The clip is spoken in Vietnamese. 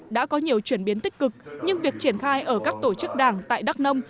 đã có nhiều chuyển biến tích cực nhưng việc triển khai ở các tổ chức đảng tại đắk nông